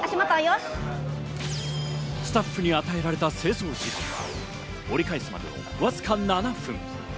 スタッフに与えられた清掃時間、折り返すまでのわずか７分。